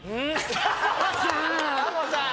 タモさん